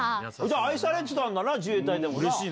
愛されてたんだな、自衛隊でうれしいね。